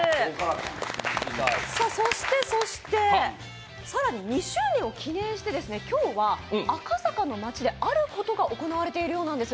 そしてそして、更に２周年を記念して今日は赤坂の街であることが行われているようなんです。